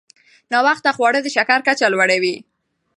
ناوخته خواړه د شکر کچه لوړوي.